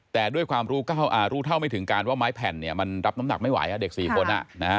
แต่ด้วยความรู้เท่าไม่ถึงการว่าไม้แผ่นมันรับน้ำหนักไม่ไหวเด็ก๔คน